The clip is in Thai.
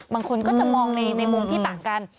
บางคนก็จะมองในมุมที่ต่างกัน